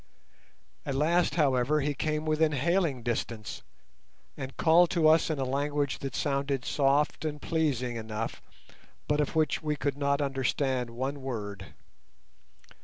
At last, however, he came within hailing distance, and called to us in a language that sounded soft and pleasing enough, but of which we could not understand one word.